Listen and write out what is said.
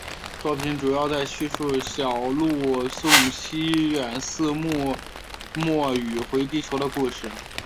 作品主要是在叙述小路送西远寺未宇回地球的故事。